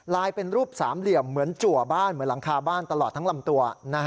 เป็นรูปสามเหลี่ยมเหมือนจัวบ้านเหมือนหลังคาบ้านตลอดทั้งลำตัว